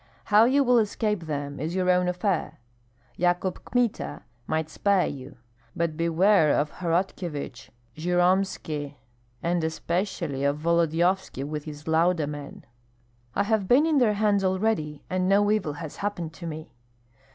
How you will escape them is your own affair. Yakub Kmita might spare you; but beware of Horotkyevich, Jyromski, and especially of Volodyovski with his Lauda men." "I have been in their hands already, and no evil has happened to me."